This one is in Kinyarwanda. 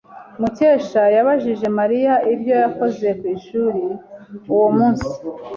Mukesha yabajije Mariya ibyo yakoze ku ishuri uwo munsi.